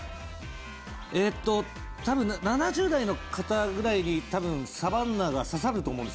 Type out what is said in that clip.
えっと多分７０代の方ぐらいに多分サバンナが刺さると思うんですよ。